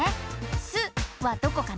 「す」はどこかな？